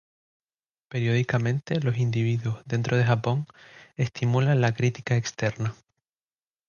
Periódicamente, los individuos dentro de Japón estimulan la crítica externa.